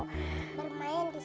bermain di sini